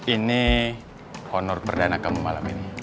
ini honor perdana kamu malam ini